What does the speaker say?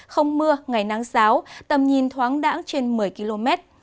không mưa ngày nắng sáo tầm nhìn thoáng đẳng trên một mươi km